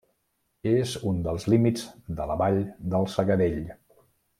És un dels límits de la vall del Segadell.